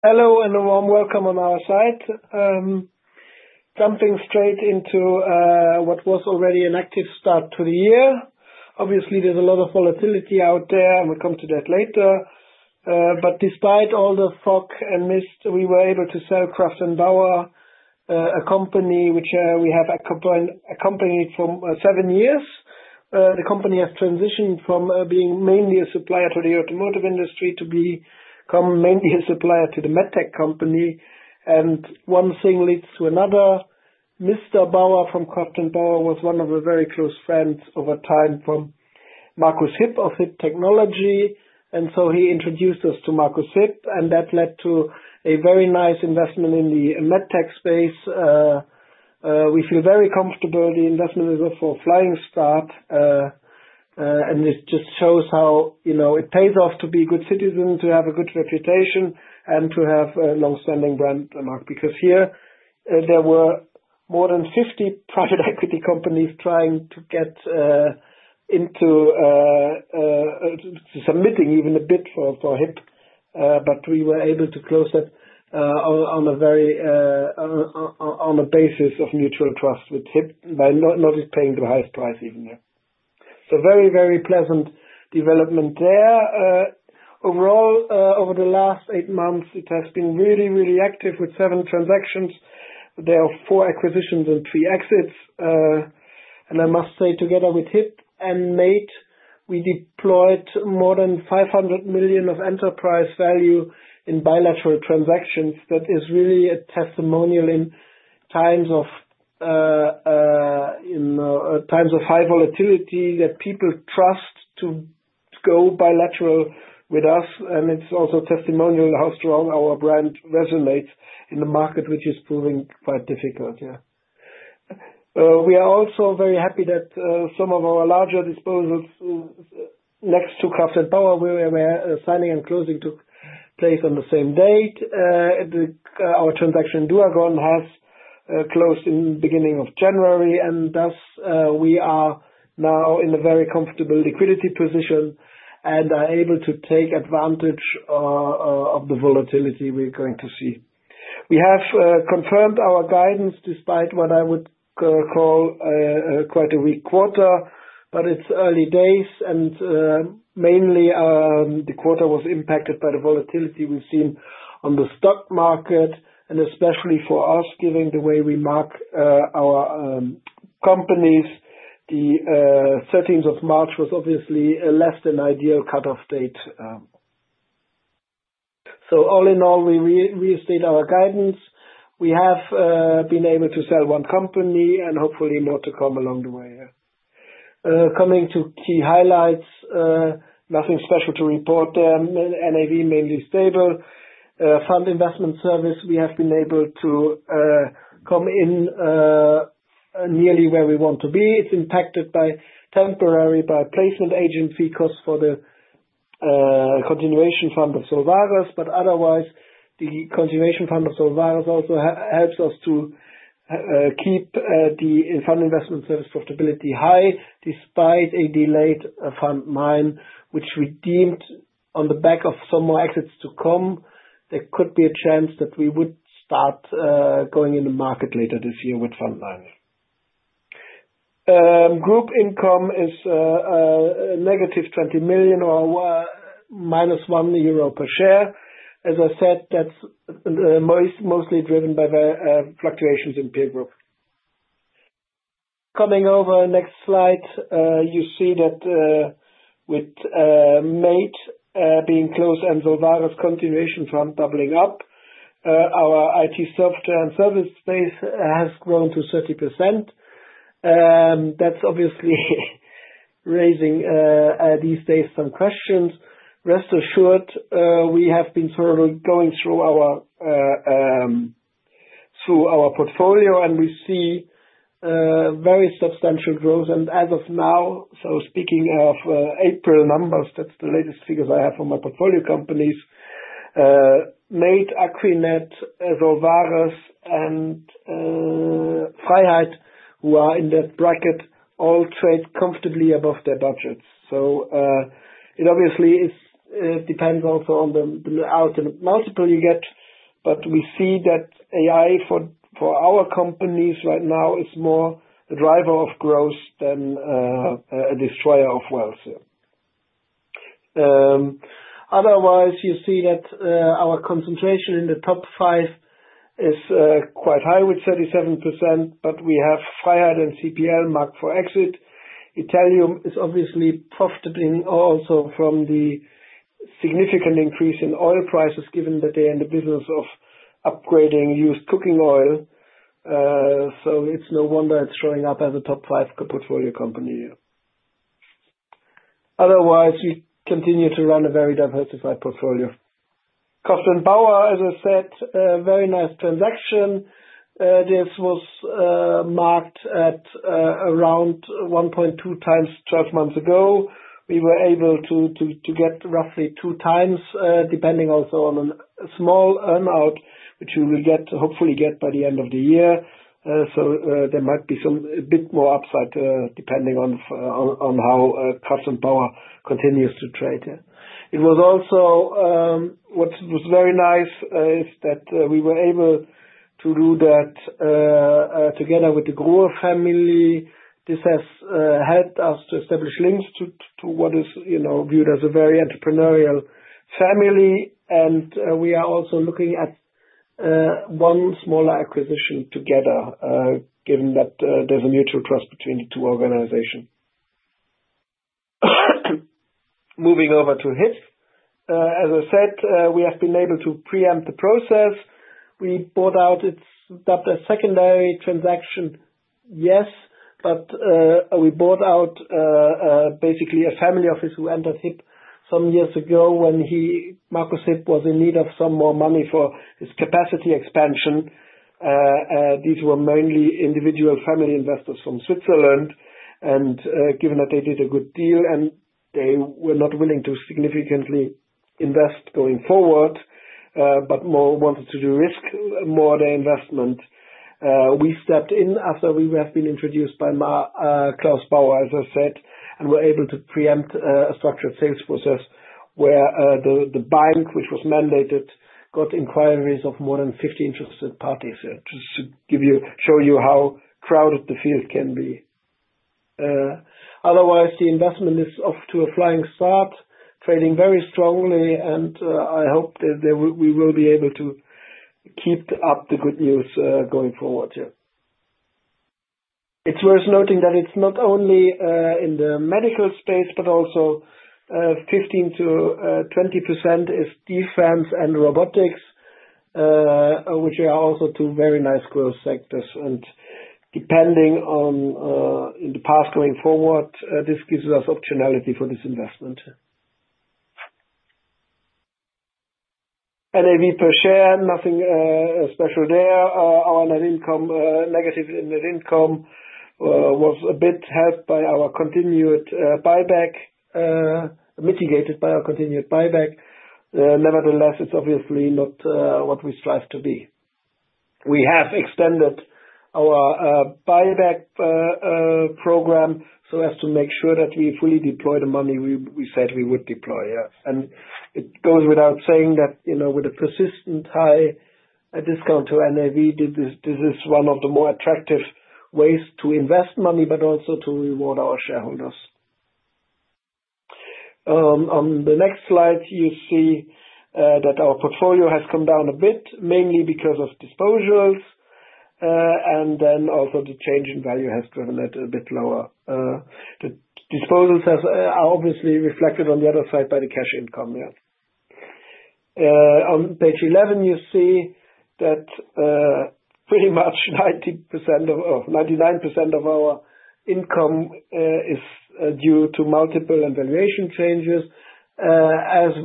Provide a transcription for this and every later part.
Hello, a warm welcome on our side. Jumping straight into what was already an active start to the year. Obviously, there's a lot of volatility out there, we'll come to that later. Despite all the fog and mist, we were able to sell Kraft & Bauer, a company which we have accompanied for seven years. The company has transitioned from being mainly a supplier to the automotive industry to become mainly a supplier to the MedTech company. One thing leads to another. Mr. Bauer from Kraft & Bauer was one of the very close friends over time from Markus Hipp of HIPP Technology. He introduced us to Markus Hipp, and that led to a very nice investment in the MedTech space. We feel very comfortable. The investment is off to a flying start. This just shows how, you know, it pays off to be a good citizen, to have a good reputation, and to have a long-standing brand mark. Because here, there were more than 50 private equity companies trying to get into submitting even a bid for HIPP. We were able to close it on a very, on a basis of mutual trust with HIPP by not just paying the highest price even there. Very, very pleasant development there. Overall, over the last eight months, it has been really, really active with seven transactions. There are four acquisitions and three exits. I must say, together with HIPP and MAIT, we deployed more than 500 million of enterprise value in bilateral transactions. That is really a testimonial in times of high volatility that people trust to go bilateral with us, and it's also testimonial in how strong our brand resonates in the market, which is proving quite difficult, yeah. We are also very happy that some of our larger disposals, next to Kraft & Bauer, where signing and closing took place on the same date. Our transaction, duagon, has closed in the beginning of January, and thus, we are now in a very comfortable liquidity position and are able to take advantage of the volatility we're going to see. We have confirmed our guidance despite what I would call quite a weak quarter, but it's early days and mainly the quarter was impacted by the volatility we've seen on the stock market. Especially for us, given the way we mark our companies, the March 13th was obviously a less than ideal cutoff date. All in all, we restate our guidance. We have been able to sell one company and hopefully more to come along the way, yeah. Coming to key highlights, nothing special to report there. NAV mainly stable. Fund investment service, we have been able to come in nearly where we want to be. It's impacted by temporary placement agent fee cost for the continuation fund of Solvares. Otherwise, the continuation fund of Solvares also helps us to keep the fund investment services profitability high despite a delayed Fund IX, which we deemed on the back of some more exits to come. There could be a chance that we would start going in the market later this year with Fund IX. Group income is negative 20 million or minus 1 euro per share. As I said, that's mostly driven by the fluctuations in peer group. Coming over, next slide, you see that with MAIT being close and Solvares continuation fund doubling up, our IT software and services space has grown to 30%. That's obviously raising these days some questions. Rest assured, we have been thoroughly going through our through our portfolio, and we see very substantial growth. As of now, speaking of April numbers, that's the latest figures I have for my portfolio companies, MAIT, akquinet, Solvares, and Freiheit, who are in that bracket, all trade comfortably above their budgets. It obviously depends also on the out and multiple you get, but we see that AI for our companies right now is more a driver of growth than a destroyer of wealth, yeah. Otherwise, you see that our concentration in the top five is quite high with 37%, but we have Freiheit and CPL marked for exit. Itelyum is obviously profiting also from the significant increase in oil prices, given that they're in the business of upgrading used cooking oil. It's no wonder it's showing up as a top five portfolio company, yeah. Otherwise, we continue to run a very diversified portfolio. Kraft & Bauer, as I said, a very nice transaction. This was marked at around 1.2x 12 months ago. We were able to get roughly 2x, depending also on a small earn-out which we will get, hopefully get by the end of the year. There might be a bit more upside, depending on how Kraft & Bauer continues to trade. It was also what was very nice is that we were able to do that together with the Grohe family. This has helped us to establish links to what is, you know, viewed as a very entrepreneurial family. We are also looking at one smaller acquisition together given that there's a mutual trust between the two organizations. Moving over to HIPP. As I said, we have been able to preempt the process. We bought out its That a secondary transaction, yes. We bought out basically a family office who entered HIPP some years ago when he, Markus Hipp, was in need of some more money for his capacity expansion. These were mainly individual family investors from Switzerland. Given that they did a good deal and they were not willing to significantly invest going forward, but more wanted to de-risk more their investment. We stepped in after we have been introduced by Klaus Bauer, as I said, and were able to preempt a structured sales process where the bank, which was mandated, got inquiries of more than 50 interested parties. Just to show you how crowded the field can be. Otherwise, the investment is off to a flying start, trading very strongly, and I hope that we will be able to keep up the good news going forward, yeah. It's worth noting that it's not only in the medical space, but also 15%-20% is defense and robotics, which are also two very nice growth sectors. Depending on the path going forward, this gives us optionality for this investment. NAV per share, nothing special there. Our net income, negative net income, was a bit helped by our continued buyback, mitigated by our continued buyback. It's obviously not what we strive to be. We have extended our buyback program, so as to make sure that we fully deploy the money we said we would deploy. It goes without saying that, you know, with a persistent high discount to NAV, this is one of the more attractive ways to invest money, but also to reward our shareholders. On the next slide, you see that our portfolio has come down a bit, mainly because of disposals. Also the change in value has driven it a bit lower. The disposals are obviously reflected on the other side by the cash income. On page 11, you see that pretty much 90% of 99% of our income is due to multiple and valuation changes. As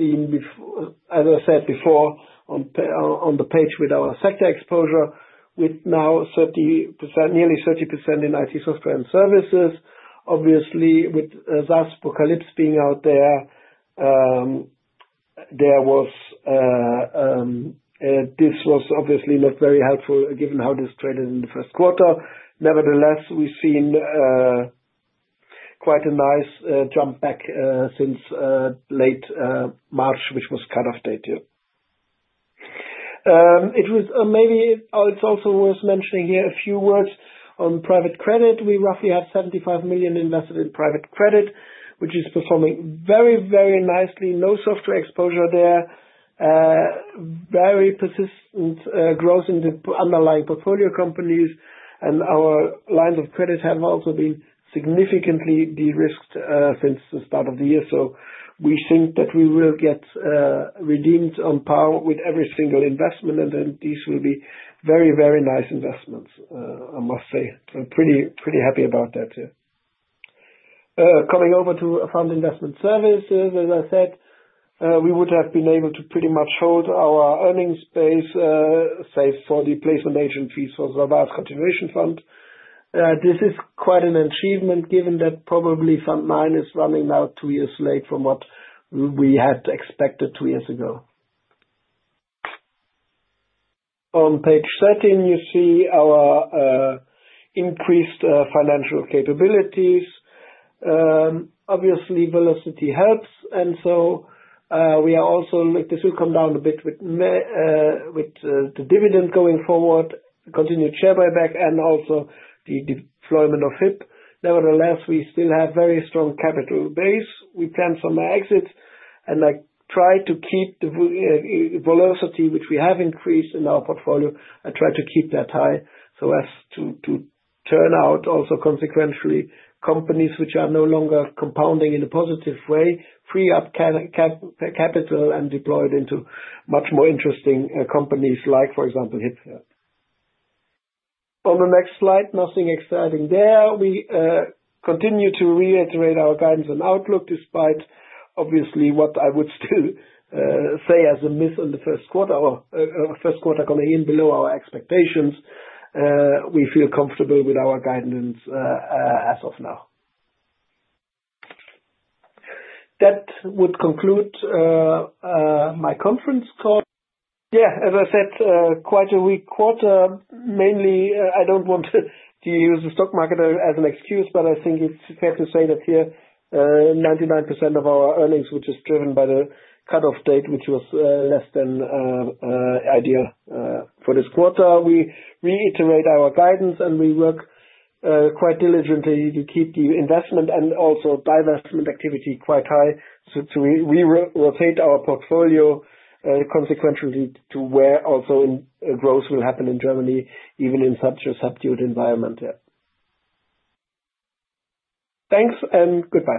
I said before on the page with our sector exposure, with now nearly 30% in IT software and services. Obviously, with SaaSpocalypse being out there, this was obviously not very helpful given how this traded in the first quarter. Nevertheless, we've seen quite a nice jump back since late March, which was cut off date, yeah. Maybe it's also worth mentioning here a few words on private credit. We roughly have 75 million invested in private credit, which is performing very, very nicely. No software exposure there. Very persistent growth in the underlying portfolio companies. Our lines of credit have also been significantly de-risked since the start of the year. We think that we will get redeemed on par with every single investment, and then these will be very, very nice investments, I must say. I'm pretty happy about that, yeah. Coming over to fund investment services, as I said, we would have been able to pretty much hold our earnings base, save for the placement agent fees for the advanced continuation fund. This is quite an achievement given that probably Fund IX is running now two years late from what we had expected two years ago. On page 13, you see our increased financial capabilities. Obviously velocity helps. This will come down a bit with the dividend going forward, continued share buyback, and also the deployment of HIPP. Nevertheless, we still have very strong capital base. We plan some exits and, like, try to keep the velocity, which we have increased in our portfolio, and try to keep that high so as to turn out also consequentially companies which are no longer compounding in a positive way, free up capital, and deploy it into much more interesting companies like, for example, HIPP, yeah. On the next slide, nothing exciting there. We continue to reiterate our guidance and outlook despite obviously what I would still say as a miss on the first quarter. Our first quarter came in below our expectations. We feel comfortable with our guidance as of now. That would conclude my conference call. As I said, quite a weak quarter. Mainly, I don't want to use the stock market as an excuse, but I think it's fair to say that here, 99% of our earnings, which is driven by the cut-off date, which was less than ideal for this quarter. We reiterate our guidance, and we work quite diligently to keep the investment and also divestment activity quite high. We re-rotate our portfolio consequentially to where also growth will happen in Germany, even in such a subdued environment. Thanks, and goodbye.